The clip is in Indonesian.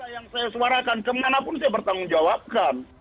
yang saya suarakan kemana pun saya bertanggung jawabkan